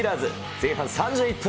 前半３１分。